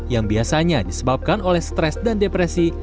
yang biasanya disebabkan oleh stres dan depresi